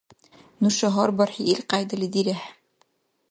Нуша гьар бархӀи ихкьяйдали дирехӀе.